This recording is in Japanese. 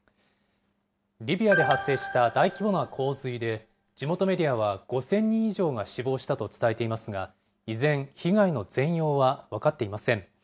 リビアで発生した大規模な洪水で、地元メディアは５０００人以上が死亡したと伝えていますが、依然、被害の全容は分かっていません。